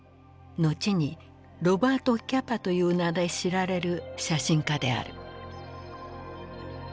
後にロバート・キャパという名で知られる写真家である。